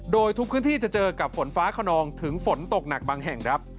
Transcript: โดยทุกพื้นที่จะเจอกับฝนฟ้าขนองถึงฝนตกหนักบางแห่งครับ